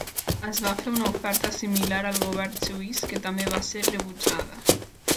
Es va fer una oferta similar al govern suís que també va ser rebutjada.